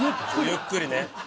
ゆっくりね。